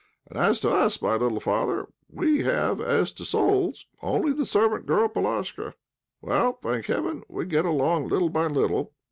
And as to us, my little father, we have as to souls only the servant girl, Palashka. Well, thank heaven, we get along little by little.